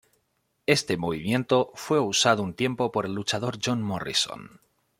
Este movimiento fue usado un tiempo por el luchador John Morrison.